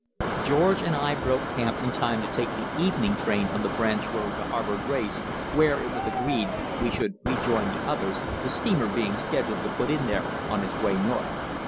George and I broke camp in time to take the evening train on the branch road to Harbour Grace, where, it was agreed, we should rejoin the others, the steamer being scheduled to put in there on its way north.